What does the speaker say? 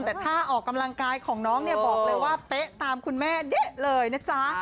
แต่ท่าออกกำลังกายของน้องบอกเลยว่าตามคุณแม่เดะเลยนะจ๊ะ